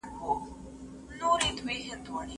قوم چي یو سي بریا مومي